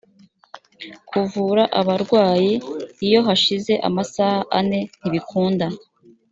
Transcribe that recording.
kuvura abarwayi iyo hashize amasaha ane ntibikunda